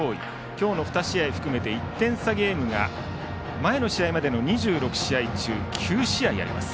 今日の２試合含めて１点差ゲームが、前の試合までの２６試合中９試合あります。